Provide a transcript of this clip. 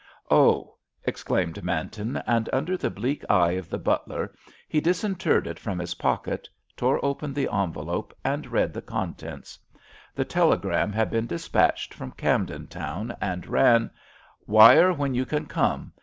"Oh!" exclaimed Manton. And under the bleak eye of the butler he disinterred it from his pocket, tore open the envelope, and read the contents. The telegram had been dispatched from Camden Town, and ran: "_Wire when you can come.